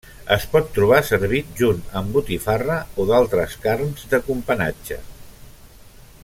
Es pot trobar servit junt amb botifarra o d'altres carns de companatge.